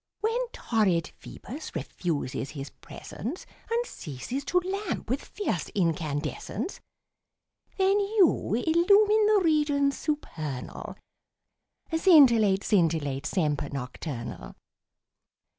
When torrid Ph[oe]bus refuses his presence And ceases to lamp with fierce incandescence, Then you illumine the regions supernal, Scintillate, scintillate, semper nocturnal.